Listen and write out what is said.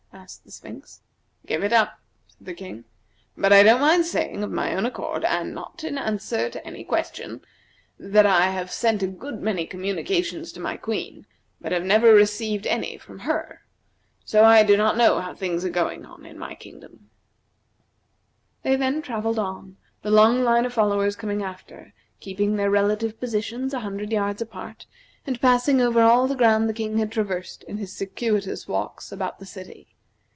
asked the Sphinx. "Give it up," said the King. "But I don't mind saying of my own accord, and not as answer to any question, that I have sent a good many communications to my Queen, but have never received any from her. So I do not know how things are going on in my kingdom." They then travelled on, the long line of followers coming after, keeping their relative positions a hundred yards apart, and passing over all the ground the King had traversed in his circuitous walks about the city.